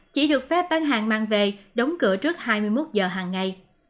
chỉ được phép bán hàng mang về đóng cửa trước hai mươi một giờ hàng ngày